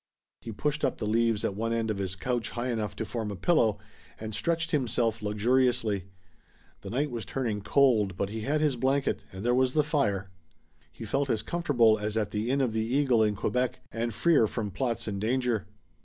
He pushed up the leaves at one end of his couch high enough to form a pillow, and stretched himself luxuriously. The night was turning cold, but he had his blanket, and there was the fire. He felt as comfortable as at the Inn of the Eagle in Quebec, and freer from plots and danger.